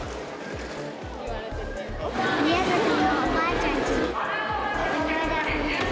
宮崎のおばあちゃんちに。